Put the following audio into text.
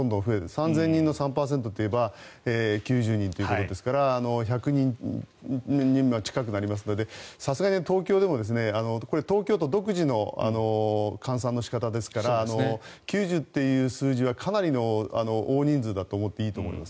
３０００人の３％といえば９０人ということですから１００人に近くなりますのでさすがに東京でも東京都独自の換算の仕方ですから９０という数字はかなりの大人数だと思っていいと思います。